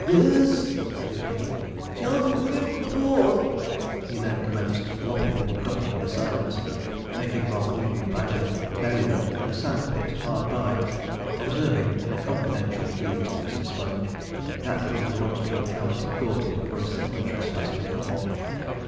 'This,' added he, 'shall be William the Fourth.' He then commenced lopping and docking the sides, making Bartholomew Badger bury them in a sand pit hard by, observing, in a confidential wheeze to Mr. Sponge, 'that he had once been county courted for a similar trespass before.'